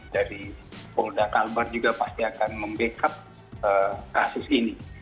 dari polda kalbar juga pasti akan membackup kasus ini